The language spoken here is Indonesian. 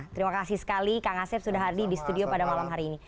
terima kasih sekali kang asep sudahardi di studio pada malam hari ini